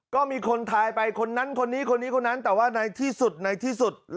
ก็มีคนทายไปคนนั้นคนนี้คนนี้คนนั้นแต่ว่าในที่สุดในที่สุด